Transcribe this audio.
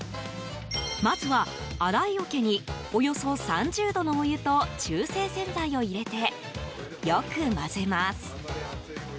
まずは、洗いおけにおよそ３０度のお湯と中性洗剤を入れてよく混ぜます。